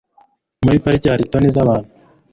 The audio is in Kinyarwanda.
muri parike hari toni zabantu